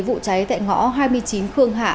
vụ cháy tại ngõ hai mươi chín khương hạ